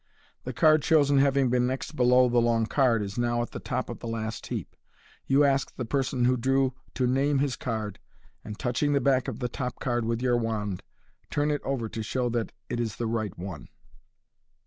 The card chosen having been next below the long card, is now at the top of the last heap. You ask the person who drew to name his card, and, touching the back of the top card with your wand, turn it over to show that it is the right one.